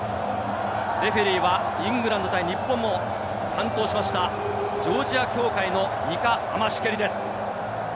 レフェリーはイングランド対日本も担当しました、ジョージア協会のニカ・アマシュケリです。